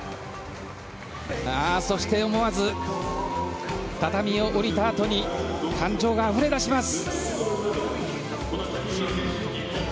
そして思わず畳を下りたあとに感情があふれ出します。